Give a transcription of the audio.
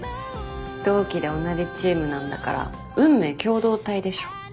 同期で同じチームなんだから運命共同体でしょ。